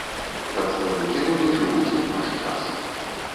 Прадстаўнікі роду жывуць і ў наш час.